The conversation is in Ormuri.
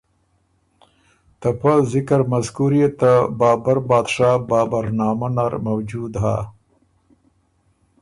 ته پۀ ذکر مذکور يې ته بابربادشاه بابرنامه نر موجود هۀ۔